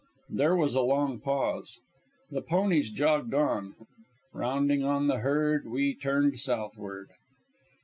There was a long pause. The ponies jogged on. Rounding on the herd, we turned southward.